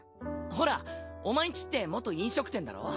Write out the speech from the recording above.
ほらお前ん家って元飲食店だろ？